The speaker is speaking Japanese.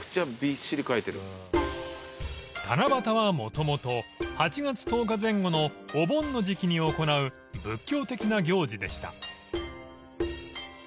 ［七夕はもともと８月１０日前後のお盆の時期に行う仏教的な行事でした］